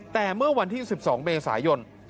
แต่เมื่อวันที่๑๒เมษายน